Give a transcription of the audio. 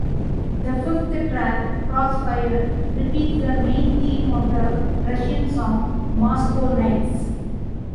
The fifth track "Crossfire" repeats the main theme of the Russian song "Moscow Nights".